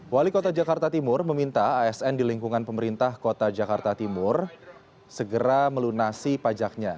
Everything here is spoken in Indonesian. wali kota jakarta timur meminta asn di lingkungan pemerintah kota jakarta timur segera melunasi pajaknya